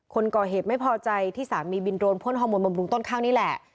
คนก่อเหตุไม่พอใจที่สามีบินโรนพ่นฮอร์โมนบำรุงต้นข้างนี่แหละ